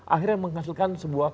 akhirnya menghasilkan sebuah